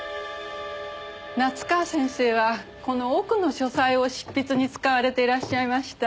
夏河先生はこの奥の書斎を執筆に使われていらっしゃいました。